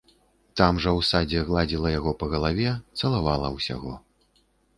Там жа ў садзе гладзіла яго па галаве, цалавала ўсяго.